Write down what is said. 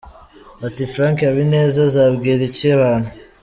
Ati Frank Habineza azabwira iki abantu ?